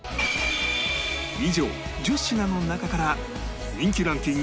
以上１０品の中から人気ランキング